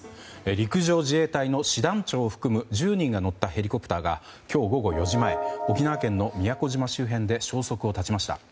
陸上自衛隊の師団長を含む１０人が乗ったヘリコプターが今日午後４時前沖縄県の宮古島周辺で消息を絶ちました。